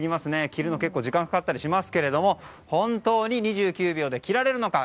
着るの、結構時間がかかったりしますが本当に２９秒で着られるのか。